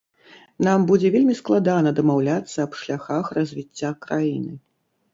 Нам будзе вельмі складана дамаўляцца аб шляхах развіцця краіны.